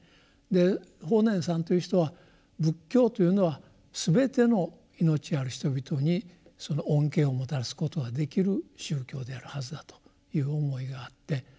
で法然さんという人は仏教というのは全ての命ある人々にその恩恵をもたらすことができる宗教であるはずだという思いがあって。